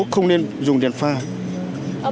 không nên dùng đèn pha